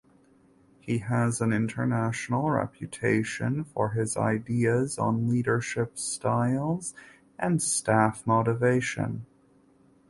He has an international reputation for his ideas on leadership styles and staff motivation.